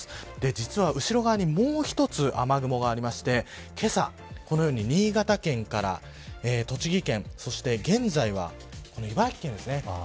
実は後ろ側にもう１つ雨雲があってけさ、このように新潟県から栃木県そして現在は茨城県ですね。